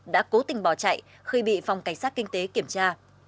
đã cố tình bỏ chạy khi bị phòng cảnh sát kinh tế kiểm tra